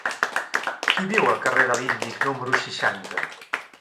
Qui viu al carrer de l'Índic número seixanta?